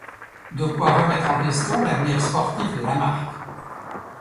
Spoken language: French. De quoi remettre en question l'avenir sportif de la marque.